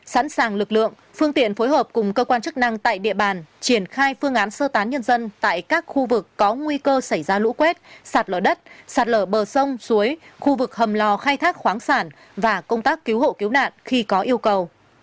sẵn sàng lực lượng phương tiện phối hợp cùng cơ quan chức năng tại địa bàn triển khai phương án sơ tán nhân dân tại các khu vực có nguy cơ xảy ra lũ quét sạt lở đất sạt lở bờ sông suối khu vực hầm lò khai thác khoáng sản và công tác cứu hộ cứu nạn khi có yêu cầu